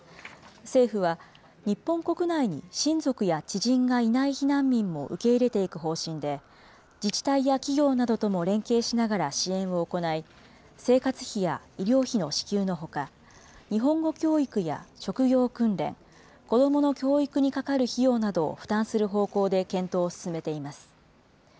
政府は、日本国内に親族や知人がいない避難民も受け入れていく方針で、自治体や企業などとも連携しながら支援を行い、生活費や医療費の支給のほか、日本語教育や職業訓練、子どもの教育にかかる費用などを負担する方向で検討を進めています。